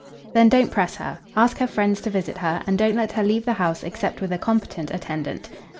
"Then don't press her. Ask her friends to visit her, and don't let her leave the house except with a competent attendant."